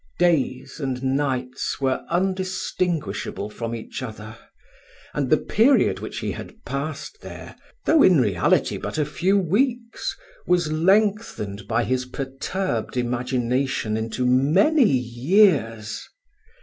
Days and nights were undistinguishable from each other; and the period which he had passed there, though in reality but a few weeks, was lengthened by his perturbed imagination into many years.